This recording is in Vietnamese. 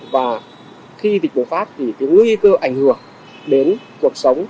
và khi dịch bùng phát thì cái nguy cơ ảnh hưởng đến cuộc sống